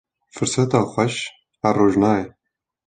Firseta xewş her roj nayê